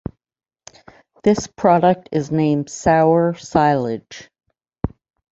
This product is named sour silage.